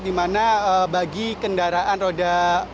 dimana bagi kendaraan roda empat